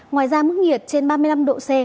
ngoài ra mức nhiệt trên ba mươi năm độ c